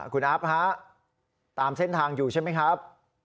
คุณอาฟฮะตามเส้นทางอยู่ใช่ไหมครับ